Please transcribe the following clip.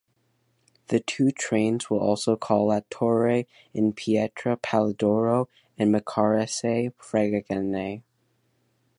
The two trains will also call at Torre in Pietra-Palidoro and Maccarese-Fregene.